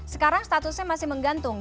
sekarang statusnya masih menggantung